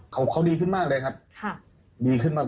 เขาดีขึ้นมากเลยครับดีขึ้นมาก